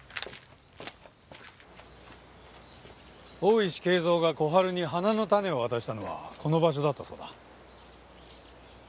大石恵三が小春に花の種を渡したのはこの場所だったそうだ。